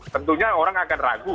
tentunya orang akan ragu